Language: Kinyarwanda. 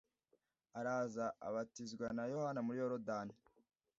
araza abatizwa na Yohana muri Yorodani